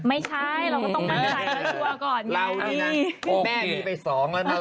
ไม่ใช่เราก็ต้องมั่นใจก่อน